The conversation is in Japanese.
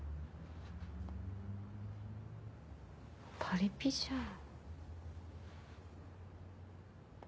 パリピじゃん。